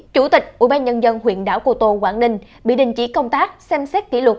chủ tịch ủy ban nhân dân huyện đảo cô tô quảng ninh bị đình chỉ công tác xem xét kỷ luật